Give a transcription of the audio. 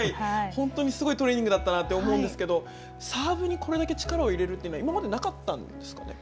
本当にすごいトレーニングだったと思うんですけど、サーブにこれだけ力を入れるというのは、今までなかったんですか。